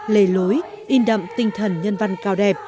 lề lối in đậm tinh thần nhân văn cao đẹp